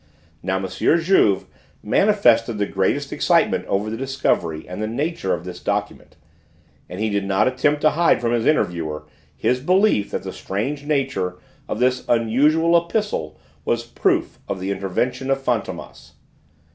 Now M. Juve manifested the greatest excitement over the discovery and the nature of this document; and he did not attempt to hide from his interviewer his belief that the strange nature of this unusual epistle was proof of the intervention of Fantômas.